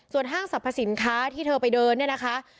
ห้างสรรพสินค้าที่เธอไปเดินเนี่ยนะคะ